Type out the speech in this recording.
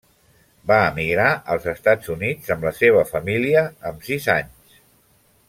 Va emigrar als Estats Units amb la seva família amb sis anys.